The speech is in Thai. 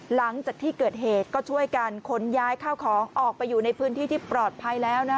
หลังจากที่เกิดเหตุก็ช่วยกันขนย้ายข้าวของออกไปอยู่ในพื้นที่ที่ปลอดภัยแล้วนะ